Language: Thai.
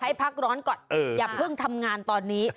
ให้พักร้อนก่อนอย่าเพิ่งทำงานตอนนี้